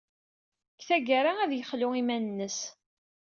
Deg tgara, ad yexlu iman-nnes.